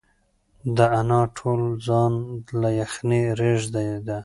د انا ټول ځان له یخنۍ رېږدېده.